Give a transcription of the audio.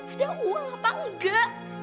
ada uang apa enggak